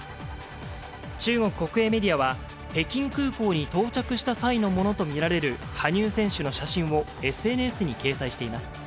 中国国営メディアは、北京空港に到着した際のものと見られる羽生選手の写真をＳＮＳに掲載しています。